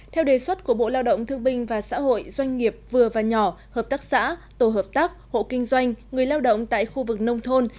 theo đề xuất của bộ lao động thương binh và xã hội doanh nghiệp vừa và nhỏ hợp tác xã tổ hợp tác hộ kinh doanh người lao động tại khu vực nông thôn